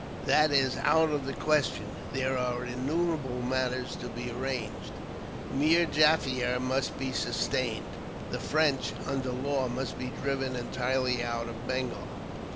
That is out of the question. There are innumerable matters to be arranged. Meer Jaffier must be sustained. The French under Law must be driven entirely out of Bengal.